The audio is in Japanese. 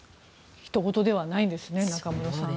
ひとごとではないんですね、中室さん。